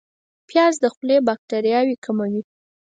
پیاز د خولې باکتریاوې کموي